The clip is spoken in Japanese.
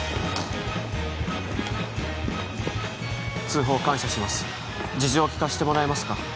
通報感謝します事情を聴かせてもらえますか？